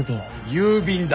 郵便だ。